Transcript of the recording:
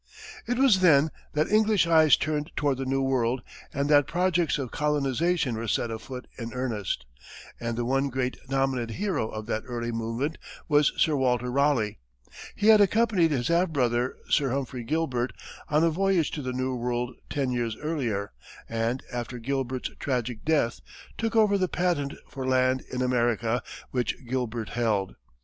It was then that English eyes turned toward the New World and that projects of colonization were set afoot in earnest; and the one great dominant hero of that early movement was Sir Walter Raleigh. He had accompanied his half brother, Sir Humphrey Gilbert, on a voyage to the New World ten years earlier, and after Gilbert's tragic death, took over the patent for land in America which Gilbert held.